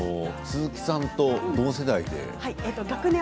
鈴木さんと同世代で。